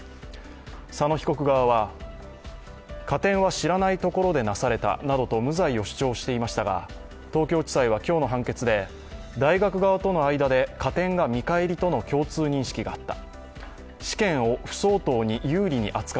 佐野被告側は加点は知らないところでなされたと無罪を主張していますが、東京地裁は今日の判決で大学側との間で加点が見返りとの共通認識があった。